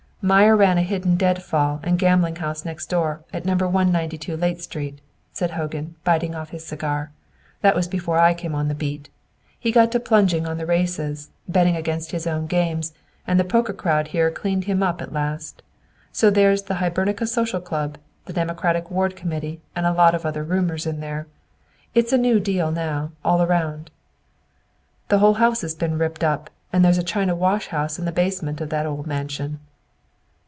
"Meyer ran a hidden dead fall and gambling house next door, at No. 192 Layte Street," said Hogan, biting off his cigar. "That was before I came on the beat. He got to plunging on the races, betting against his own games, and the poker crowd here cleaned him up at last. So there's the Hibernia Social Club, the Democratic Ward Committee, and a lot of roomers in there. It's a new deal now, all around. "The whole house has been ripped up and there's a China wash house in the basement of that old mansion."